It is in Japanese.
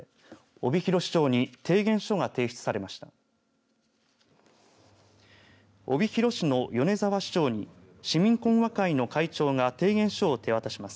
帯広市の米沢市長に市民懇話会の会長が提言書を手渡します。